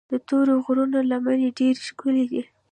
د تورو غرونو لمنې ډېرې ښکلي دي.